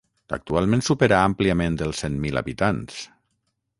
Actualment supera àmpliament els cent mil habitants.